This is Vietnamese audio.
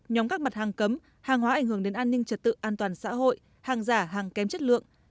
nhóm các mặt hàng cấm hàng hóa ảnh hưởng đến an ninh trật tự an toàn xã hội hàng giả hàng kém chất lượng